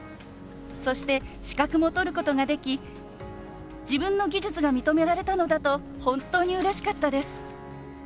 そして資格も取ることができ自分の技術が認められたのだと本当にうれしかったです。